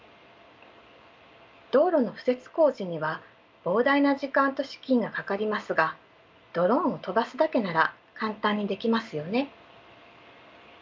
道路の敷設工事には膨大な時間と資金がかかりますがドローンを飛ばすだけなら簡単にできますよね。